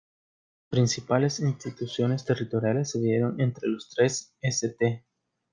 Las principales instituciones territoriales se dividieron entre los tres: St.